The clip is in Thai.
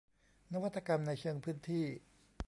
นวัตกรรมในเชิงพื้นที่